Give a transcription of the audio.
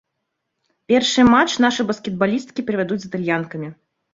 Першы матч нашы баскетбалісткі правядуць з італьянкамі.